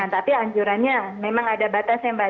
tapi anjurannya memang ada batasnya mbak